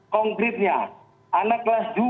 konfliknya anak kelas dua